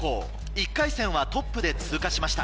１回戦はトップで通過しました。